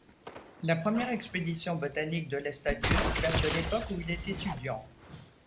La première expédition botanique de Læstadius date de l'époque où il est étudiant.